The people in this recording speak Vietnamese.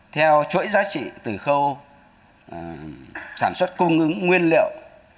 theo chuỗi giá trị từ khâu sản xuất cung ứng nguyên liệu